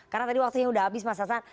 karena tadi waktunya udah habis mas hasan